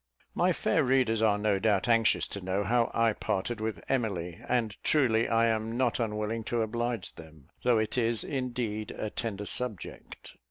My fair readers are no doubt anxious to know how I parted with Emily, and truly I am not unwilling to oblige them, though it is, indeed, a tender subject.